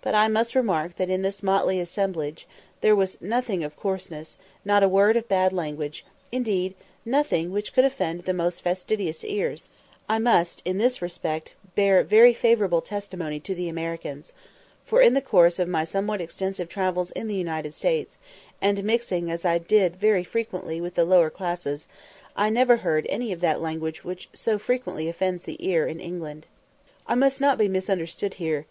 But I must remark that in this motley assembly there was nothing of coarseness, and not a word of bad language indeed, nothing which could offend the most fastidious ears. I must in this respect bear very favourable testimony to the Americans; for, in the course of my somewhat extensive travels in the United States, and mixing as I did very frequently with the lower classes, I never heard any of that language which so frequently offends the ear in England. [Footnote: I must not be misunderstood here.